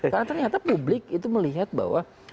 karena ternyata publik itu melihat bahwa